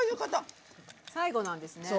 最後なんですね。